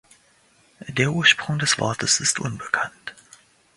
Der Ursprung des Wortes ist unbekannt.